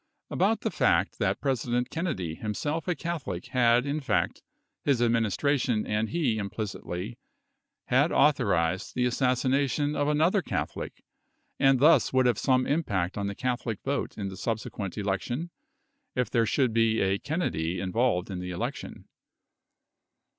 . about the fact that President Kennedy, himself a Cath olic, had in fact — his administration and he implicitly had authorized the assassination of another Catholic and thus would have some impact on the Catholic vote in the subse quent election, if there should be a Kennedy involved in the election.